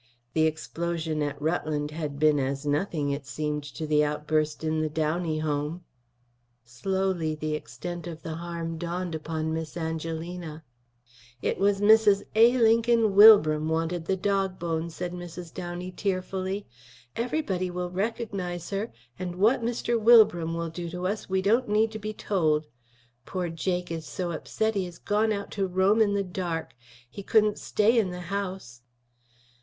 The explosion at Rutland had been as nothing, it seemed, to the outburst in the Downey home. Slowly the extent of the harm dawned upon Miss Angelina. "It was Mrs. A. Lincoln Wilbram wanted the dog bone," said Mrs. Downey tearfully. "Everybody will recognize her; and what Mr. Wilbram will do to us we don't need to be told. Poor Jake is so upset he has gone out to roam in the dark. He couldn't stay in the house."